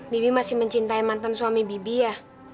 bibi masih mencintai mantan suami bibi ya